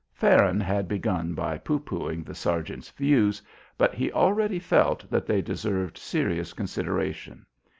Farron had begun by pooh poohing the sergeant's views, but he already felt that they deserved serious consideration.